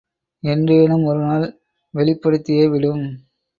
என்றேனும் ஒருநாள் வெளிப்படுத்தியே விடும்.